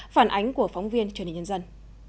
phản ánh của phóng viên truyền hình nhân dân